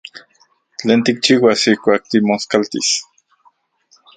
¿Tlen tikchiuas ijkuak timoskaltis?